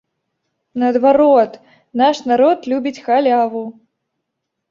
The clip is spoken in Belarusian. Наадварот, наш народ любіць халяву.